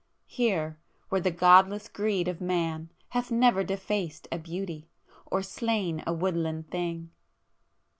—here, where the godless greed of Man hath never defaced a beauty, or slain a woodland thing!